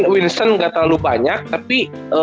winston gak terlalu banyak tapi